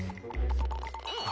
あ！